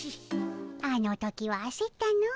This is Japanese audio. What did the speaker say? あの時はあせったのう。